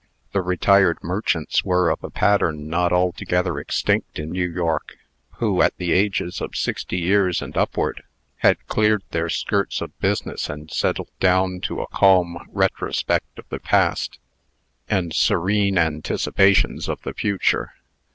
The retired merchants were of a pattern not altogether extinct in New York, who, at the ages of sixty years and upward, had cleared their skirts of business, and settled down to a calm retrospect of the past, and serene anticipations of the future.